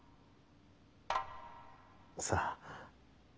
さあ？